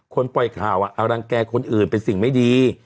ปล่อยข่าวอรังแก่คนอื่นเป็นสิ่งไม่ดี